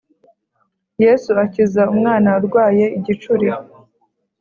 Yesu akiza umwana urwaye igicuri